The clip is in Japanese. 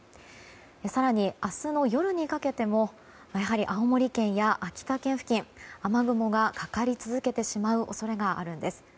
更に、明日の夜にかけても青森県や秋田県付近雨雲がかかり続けてしまう恐れがあるんです。